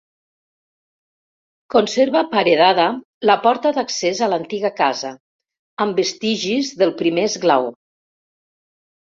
Conserva paredada la porta d'accés a l'antiga casa, amb vestigis del primer esglaó.